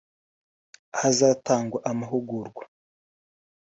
ahazatangwa amahugurwa